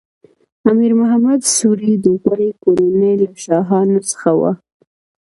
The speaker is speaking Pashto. امیر محمد سوري د غوري کورنۍ له شاهانو څخه و.